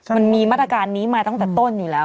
มันมีมาตรการนี้มาตั้งแต่ต้นอยู่แล้ว